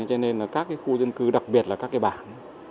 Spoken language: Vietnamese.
cho nên là các khu dân cư đặc biệt là các cái bản